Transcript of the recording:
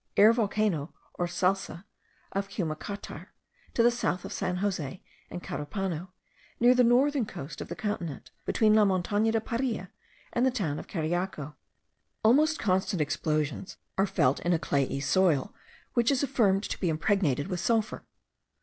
Air volcano, or Salce, of Cumacatar, to the south of San Jose and Carupano, near the northern coast of the continent, between La Montana de Paria and the town of Cariaco. Almost constant explosions are felt in a clayey soil, which is affirmed to be impregnated with sulphur.